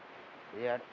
tapi kita udah merasa berat